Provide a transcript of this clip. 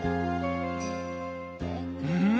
うん！